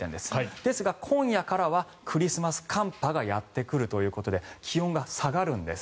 ですが、今夜からはクリスマス寒波がやってくるということで気温が下がるんです。